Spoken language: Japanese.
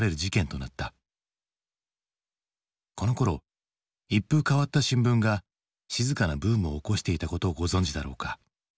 このころ一風変わった新聞が静かなブームを起こしていたことをご存じだろうか。